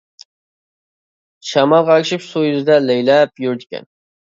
شامالغا ئەگىشىپ سۇ يۈزىدە لەيلەپ يۈرىدىكەن.